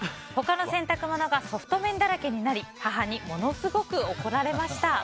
他の洗濯物がソフト麺だらけになり母にものすごく怒られました。